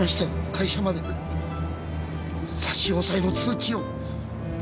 会社まで差し押さえの通知を。